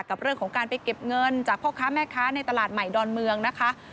กับเรื่องของการไปเก็บเงินจากพ่อค้าแม่ค้าในตลาดใหม่ดอนเมืองนะคะ